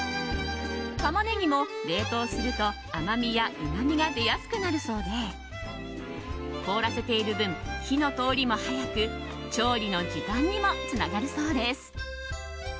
タマネギも冷凍すると甘みやうまみが出やすくなるそうで凍らせている分、火の通りも早く調理の時短にもつながるそうです。